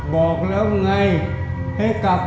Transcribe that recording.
บอกแล้วไงให้กลับ